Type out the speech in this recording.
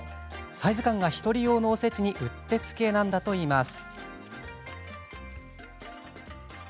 サイズ感が１人用のおせちにうってつけなんだといいます。